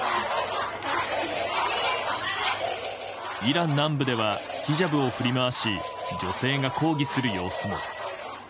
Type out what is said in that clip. イラン南部ではヒジャブを振り回し女性が抗議する様子も。